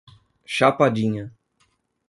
Chapadinha